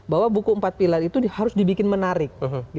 bahwa buku empat pilar itu harus dibikin menarik